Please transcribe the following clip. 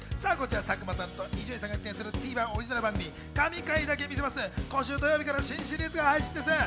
佐久間さんと伊集院さんが出演するＴＶｅｒオリジナル番組『神回だけ見せます！』は、今週土曜日から新シリーズ配信です。